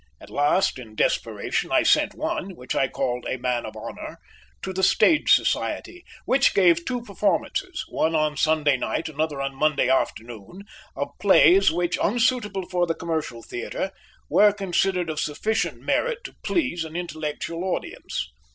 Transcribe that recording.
At last, in desperation, I sent one, which I called A Man of Honour, to the Stage Society, which gave two performances, one on Sunday night, another on Monday afternoon, of plays which, unsuitable for the commercial theatre, were considered of sufficient merit to please an intellectual audience.